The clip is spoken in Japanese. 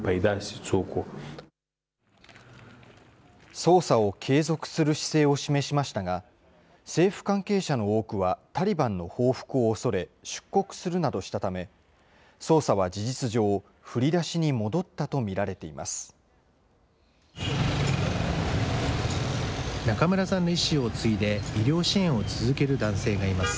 捜査を継続する姿勢を示しましたが、政府関係者の多くはタリバンの報復を恐れ出国するなどしたため、捜査は事実上、振り出しに戻ったと見られています。